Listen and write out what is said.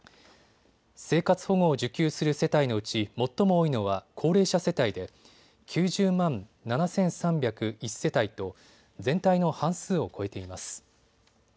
生活保護を受給する世帯のうち最も多いのは高齢者世帯で９０万７３０１世帯と全体の半数を超えています。